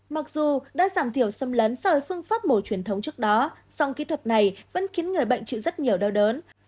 mặc dù đã giảm thiểu xâm lấn sau phương pháp mổ truyền thống trước đó song kỹ thuật này vẫn khiến người bệnh chịu rất nhiều đau đớn